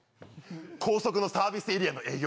高速のサービスエリアの営業。